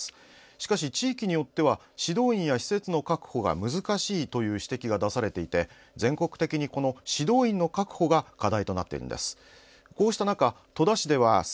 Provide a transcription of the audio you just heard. しかし地域によっては指導員や施設の確保が難しいという指摘が出されていて全国的に指導員の確保が課題となっているんです。